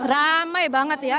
ramai banget ya